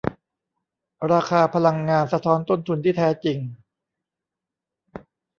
ราคาพลังงานสะท้อนต้นทุนที่แท้จริง